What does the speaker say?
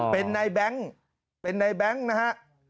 อ๋อเป็นในแบงค์เป็นในแบงค์นะฮะ